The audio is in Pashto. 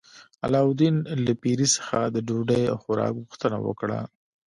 علاوالدین له پیري څخه د ډوډۍ او خوراک غوښتنه وکړه.